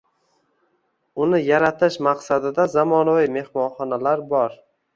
Uni yaratish maqsadida zamonaviy mehmonxonalar bor.